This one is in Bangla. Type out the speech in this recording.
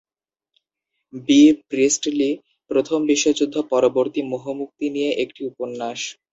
বি. প্রিস্টলি, প্রথম বিশ্বযুদ্ধ পরবর্তী মোহমুক্তি নিয়ে একটি উপন্যাস।